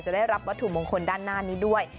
ได้รับวัตถุมงคลด้านหน้านี้ด้วย